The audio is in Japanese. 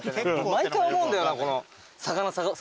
毎回思うんだよな。